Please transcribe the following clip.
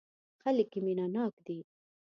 خلک یې مینه ناک دي.